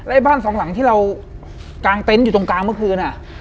ไอ้บ้านสองหลังที่เรากางเต็นต์อยู่ตรงกลางเมื่อคืนอ่ะ